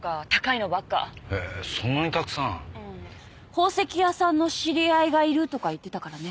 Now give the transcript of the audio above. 宝石屋さんの知り合いがいるとか言ってたからね。